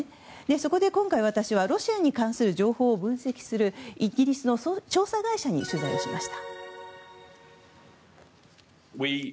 そこで今回、私はロシアに関する情報を分析するイギリスの調査会社に取材をしました。